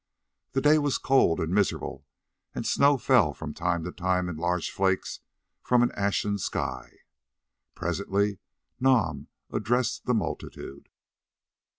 The day was cold and miserable, and snow fell from time to time in large flakes from an ashen sky. Presently Nam addressed the multitude.